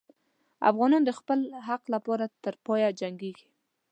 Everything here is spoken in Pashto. افغان د خپل حق لپاره تر پایه جنګېږي.